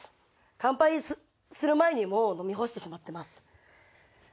乾杯する前にもう飲み干してしまってます。